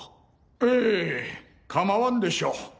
ええかまわんでしょう。